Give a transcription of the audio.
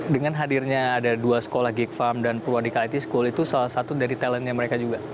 dengan hadirnya ada dua sekolah gig farm dan purwodik it school itu salah satu dari talentnya mereka juga